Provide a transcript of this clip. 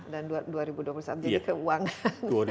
dan dua ribu dua puluh satu jadi keuangan